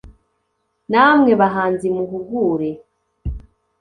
namwe bahanzi muhugure